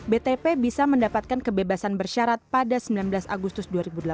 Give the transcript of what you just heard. btp bisa mendapatkan kebebasan bersyarat pada sembilan belas agustus dua ribu delapan belas